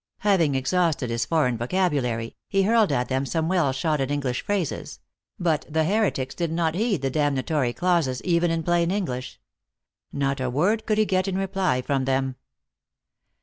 Having exhausted his foreign vocabulary, he hurled at them some well shotted English phrases but the heretics did not heed the damnatory clauses, even in plain English. Not a word could he get in reply from them.